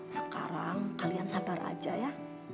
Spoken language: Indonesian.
sekarang kalian sabar aja ya